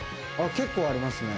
結構ありますね。